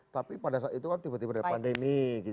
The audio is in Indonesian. tapi pada saat itu kan tiba tiba ada pandemi